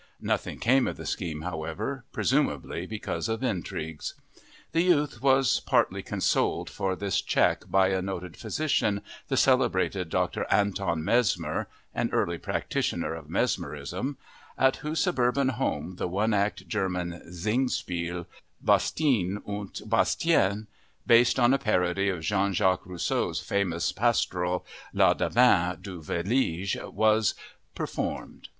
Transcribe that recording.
Nothing came of the scheme, however, presumably because of intrigues. The youth was partly consoled for this check by a noted physician, the celebrated Dr. Anton Mesmer (an early practitioner of mesmerism), at whose suburban home the one act German Singspiel, Bastien und Bastienne, based on a parody of Jean Jacques Rousseau's famous pastoral Le Devin du village, was performed.